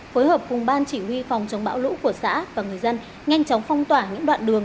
phối hợp cùng ban chỉ huy phòng chống bão lũ của xã và người dân nhanh chóng phong tỏa những đoạn đường